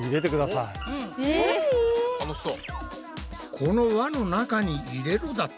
この輪の中に入れろだって？